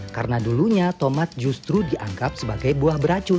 karena dulunya tomat justru dianggap sebagai buah beracun